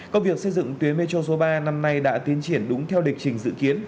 công việc xây dựng tuyến metro số ba năm nay đã tiến triển đúng theo lịch trình dự kiến